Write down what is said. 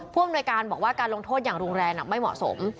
ผู้อำนวยการบอกว่าการลงโทษอย่างรุนแรงไม่เหมาะสม